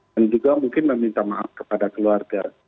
dan juga mungkin meminta maaf kepada keluarga